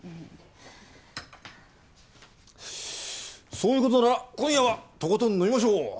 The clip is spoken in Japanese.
そういうことなら今夜はとことん飲みましょう。